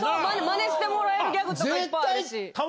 マネしてもらえるギャグとかいっぱいあるし。